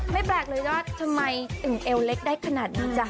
แปลกเลยว่าทำไมถึงเอวเล็กได้ขนาดนี้จ้ะ